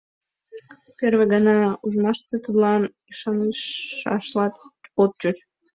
Первый гана ужмаште тудлан ӱшанышашлат от чуч.